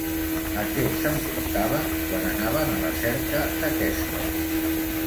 A què s'enfrontaven quan anaven a la cerca d'aquestes?